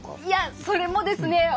いやそれもですね